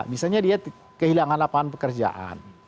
misalnya dia kehilangan lapangan pekerjaan